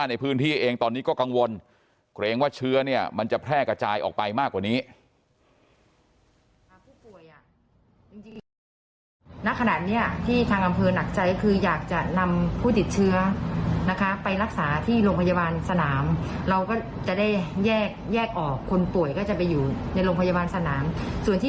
ในพื้นที่เองตอนนี้ก็กังวลเกรงว่าเชื้อเนี่ยมันจะแพร่กระจายออกไปมากกว่านี้